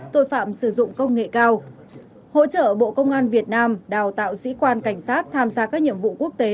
tội phạm sử dụng công nghệ cao hỗ trợ bộ công an việt nam đào tạo sĩ quan cảnh sát tham gia các nhiệm vụ quốc tế